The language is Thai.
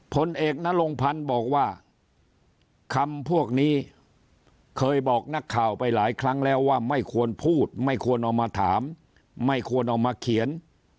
ผลเอกนรงพันธ์บอกว่าคำพวกนี้เคยบอกนักข่าวไปหลายครั้งแล้วว่าไม่ควรพูดไม่ควรเอามาถามไม่ควรเอามาเขียน